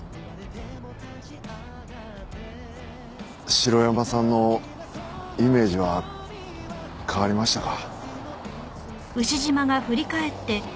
城山さんのイメージは変わりましたか？